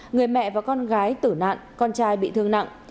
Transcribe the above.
người mẹ và con gái tử nạn con trai bị thương nặng